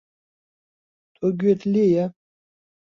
تۆ گوێت لێیە؟